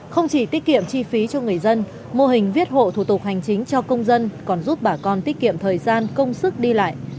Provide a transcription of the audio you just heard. không chỉ tiết kiệm chi phí cho người dân mô hình viết hộ thủ tục hành chính cho công dân còn giúp bà con tiết kiệm thời gian công sức đi lại